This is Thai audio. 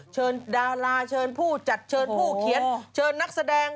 ดาราเชิญผู้จัดเชิญผู้เขียนเชิญนักแสดง